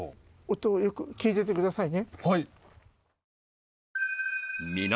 音をよく聞いててくださいね。